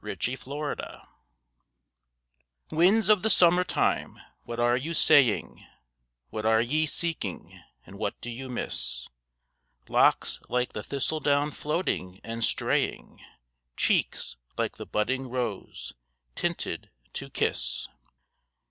WHAT THE RAIN SAW Winds of the summer time what are you saying, What are ye seeking, and what do you miss? Locks like the thistledown floating and straying, Cheeks like the budding rose, tinted to kiss.